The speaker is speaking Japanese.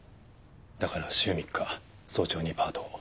だから週３日早朝にパートを。